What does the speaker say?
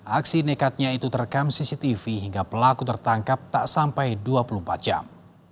aksi nekatnya itu terekam cctv hingga pelaku tertangkap tak sampai dua puluh empat jam